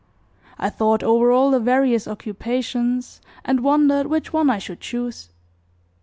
I thought over all the various occupations and wondered which one I should choose.